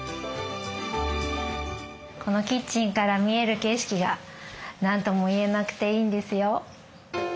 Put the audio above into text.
このキッチンから見える景色が何とも言えなくていいんですよ。